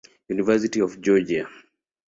University of Georgia.